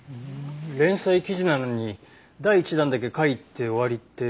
連載記事なのに第１弾だけ書いて終わりって妙だね。